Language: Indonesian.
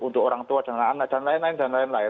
untuk orang tua dan anak dan lain lain